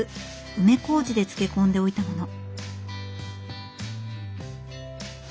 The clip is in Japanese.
梅こうじで漬け込んでおいたもの。